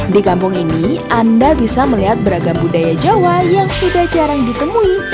di kampung ini anda bisa melihat beragam budaya jawa yang sudah jarang ditemui